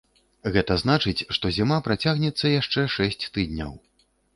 Гэта значыць, што зіма працягнецца яшчэ шэсць тыдняў.